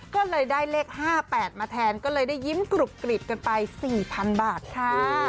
ก็เลยได้เลข๕๘มาแทนก็เลยได้ยิ้มกรุบกริบกันไป๔๐๐๐บาทค่ะ